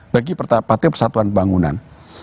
bagi partai persatuan pembangunan